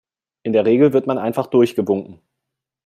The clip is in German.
In der Regel wird man einfach durchgewunken.